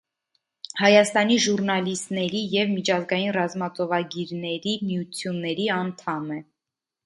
Հայաստանի ժուռնալիստների և միջազգային ռազմածովագիրների միությունների անդամ է։